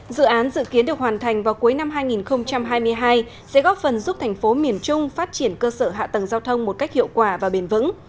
dự án dự kiến được hoàn thành vào cuối năm hai nghìn hai mươi hai sẽ góp phần giúp thành phố miền trung phát triển cơ sở hạ tầng giao thông một cách hiệu quả và bền vững